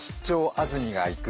安住がいく」